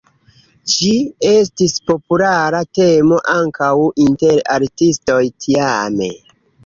Ĝi estis populara temo ankaŭ inter artistoj tiame.